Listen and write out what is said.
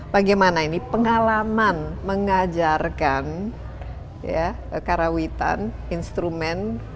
bagaimana ini pengalaman mengajarkan karawitan instrumen